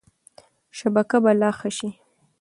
شبکه به لا ښه شي.